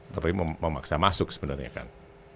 tapi memaksa masuk sebenarnya kan